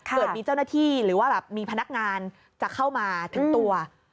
เกิดมีเจ้าหน้าที่หรือว่าแบบมีพนักงานจะเข้ามาถึงตัว